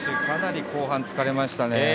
かなり後半、疲れましたね。